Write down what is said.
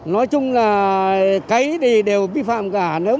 nói chung là cái đều vi phạm cả